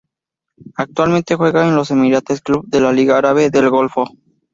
Actualmente juega en el Emirates Club de la Liga Árabe del Golfo.